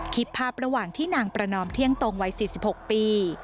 คลิปภาพระหว่างที่นางประนอมเที่ยงตรงวัย๔๖ปี